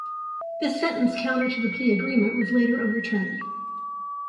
This sentence, counter to the plea agreement, was later overturned.